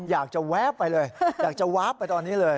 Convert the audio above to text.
อยากจะแว๊บไปเลยอยากจะว๊าบไปตอนนี้เลย